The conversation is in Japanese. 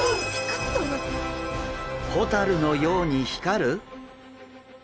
ホタルのように光る！？